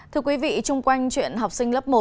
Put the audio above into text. thưa quý vị trung quanh chuyện học sinh lớp một